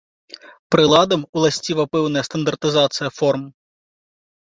Прыладам уласціва пэўная стандартызацыя форм.